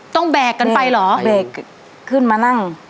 ต้องแบกกันไปเหรอแบกขึ้นมานั่ง